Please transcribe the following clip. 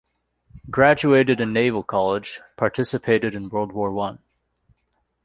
Graduated in naval college, participated in World War One.